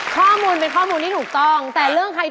เชื่ออะไรนะเชือกฟาง